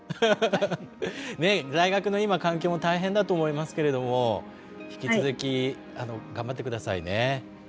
大学の今環境も大変だと思いますけれども引き続き頑張って下さいね。